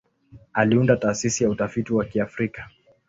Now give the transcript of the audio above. Aliunda Taasisi ya Utafiti wa Kiafrika.